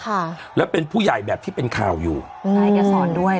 ค่ะแล้วเป็นผู้ใหญ่แบบที่เป็นข่าวอยู่ใช่แกสอนด้วย